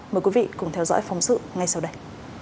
mời quý vị cùng theo dõi phóng sự ngay sau đây